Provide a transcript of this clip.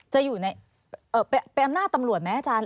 จะไปอำนาจตำรวจไหมอาจารย์